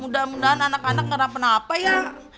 mudah mudahan anak anak kenapa napa ya